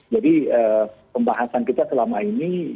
jadi pembahasan kita selama ini